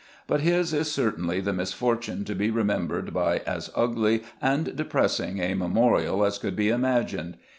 But his is certainly the misfortune to be remembered by as ugly and depressing a memorial as could be imagined.